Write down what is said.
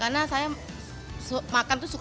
karena saya makan itu suka